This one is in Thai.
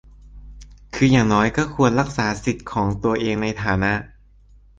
คืออย่างน้อยก็ควรรักษาสิทธิของตัวเองในฐาน